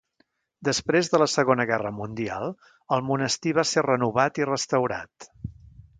Després de la segona guerra mundial, el monestir va ser renovat i restaurat.